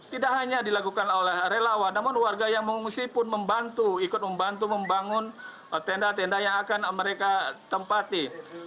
tidak hanya dilakukan oleh relawan namun warga yang mengungsi pun membantu ikut membantu membangun tenda tenda yang akan mereka tempati